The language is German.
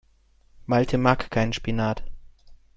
Malte mag keinen Spinat.